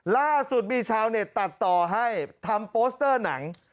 ล่าสุดมีชาวเน็ตตัดต่อให้ทำโปสเตอร์หนัง